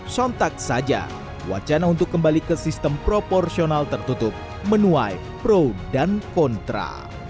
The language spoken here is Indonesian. sontak saja wacana untuk kembali ke sistem proporsional tertutup menuai pro dan kontra